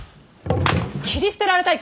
斬り捨てられたいか。